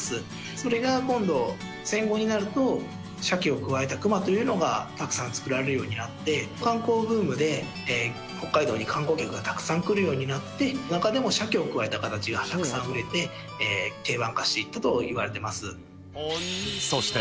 それが今度、戦後になると、シャケをくわえた熊というのがたくさん作られるようになって、観光ブームで、北海道に観光客がたくさん来るようになって、中でもシャケをくわえた形がたくさん売れて、定番化していったと言われています。